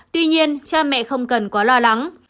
tuy nhiên cha mẹ không cần quá lo lắng